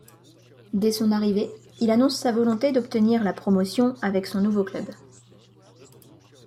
Dès son arrivée, il annonce sa volonté d'obtenir la promotion avec son nouveau club.